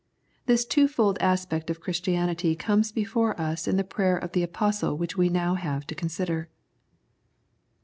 This twofold aspect of Christianity comes before us in the prayer of the Apostle which we now have to consider.